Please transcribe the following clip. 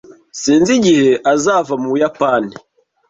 Sinzi igihe azava mu Buyapani